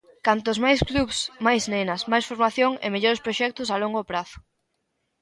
Cantos máis clubs, máis nenas, máis formación e mellores proxectos a longo prazo.